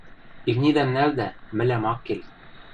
Имнидӓм нӓлдӓ, мӹлӓм ак кел...